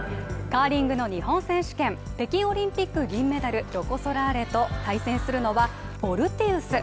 カーリングの日本選手権北京オリンピック銀メダル、ロコ・ソラーレと対戦するのはフォルティウス